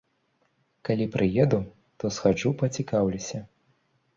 Калі прыеду, то схаджу пацікаўлюся.